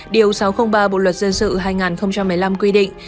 điều sáu trăm linh ba bộ luật dân sự hai nghìn một mươi năm quy định